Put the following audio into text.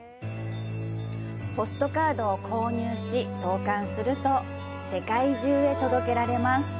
ポストカードを購入し投函すると世界中へ届けられます。